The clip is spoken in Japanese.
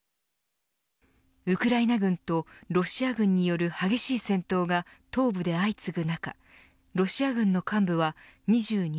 ウクライナ軍とロシア軍による激しい戦闘が東部で相次ぐ中ロシア軍の幹部は２２日